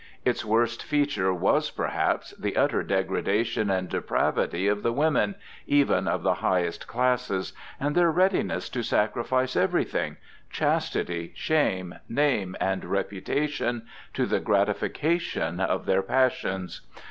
Its worst feature was, perhaps, the utter degradation and depravity of the women even of the highest classes, and their readiness to sacrifice everything—chastity, shame, name, and reputation—to the gratification of their passions.